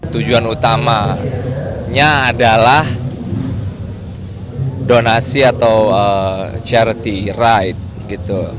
tujuan utamanya adalah donasi atau charity ride